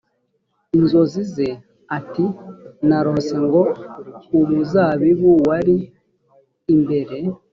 inzozi ze ati narose ngo umuzabibu wari imbere